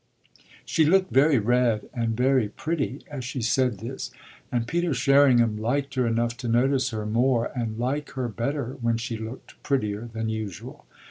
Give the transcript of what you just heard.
She looked very red and very pretty as she said this, and Peter Sherringham liked her enough to notice her more and like her better when she looked prettier than usual.